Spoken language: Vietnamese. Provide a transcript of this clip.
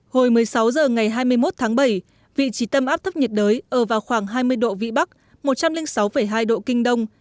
hồi một mươi sáu h ngày hai mươi một tháng bảy vị trí tâm áp thấp nhiệt đới ở vào khoảng hai mươi độ vĩ bắc một trăm linh sáu hai độ kinh đông